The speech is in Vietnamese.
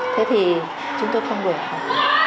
thế thì chúng tôi không đổi học